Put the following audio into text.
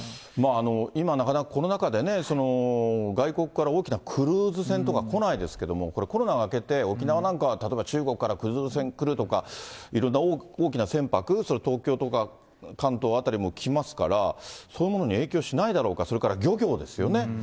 今、なかなかコロナ禍で、外国から大きなクルーズ船とか来ないですけれども、これ、コロナが明けて沖縄なんか、例えば中国からクルーズ船来るとか、いろんな大きな船舶、それ、東京とか関東辺りも来ますから、そういうものに影響しないだろうか、それから漁業ですよね。